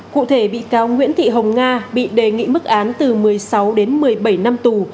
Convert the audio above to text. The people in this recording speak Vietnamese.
cụ thể bị cáo nguyễn thị hồng nga bị đề nghị mức án từ một mươi sáu đến một mươi bảy năm tù